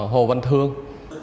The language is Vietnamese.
hồ văn thương